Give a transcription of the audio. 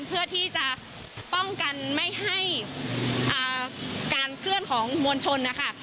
เพื่อที่จะป้องกันไม่ให้การเคลื่อนของมวลชนนะคะ